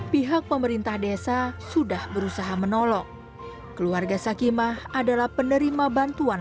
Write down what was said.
pihak pemerintah desa sudah berusaha menolong keluarga sakimah adalah penerima bantuan